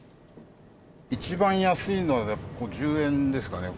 一番安いので１０円ですかね。